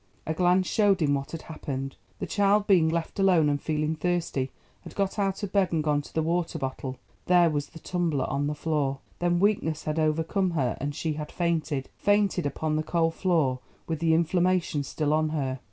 A glance showed him what had happened. The child being left alone, and feeling thirsty, had got out of bed and gone to the water bottle—there was the tumbler on the floor. Then weakness had overcome her and she had fainted—fainted upon the cold floor with the inflammation still on her.